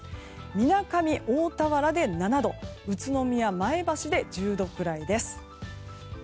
みなかみ、大田原で７度宇都宮、前橋で１０度くらいです。